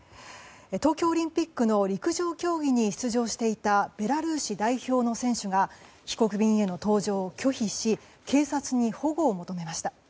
東京オリンピックの陸上競技に出場していたベラルーシ代表の選手が帰国便への搭乗を拒否し警察に保護を求めました。